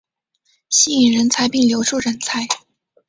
吸引人才并留住人才